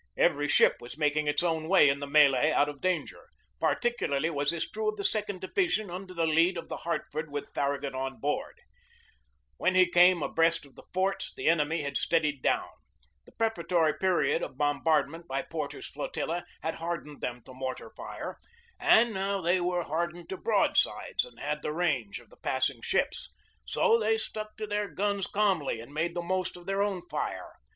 Every ship was making its own 66 GEORGE DEWEY way in the melee out of danger. Particularly was this true of the second division, under the lead of the Hartford with Farragut on board. When she came abreast of the forts the enemy had steadied down. The prefatory period of bombardment by Porter's flotilla had hardened them to mortar fire; and now they were hardened to broadsides and had the range of the passing ships. So they stuck to their guns calmly and made the most of their own fire.